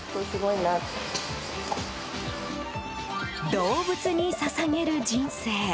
動物に捧げる人生。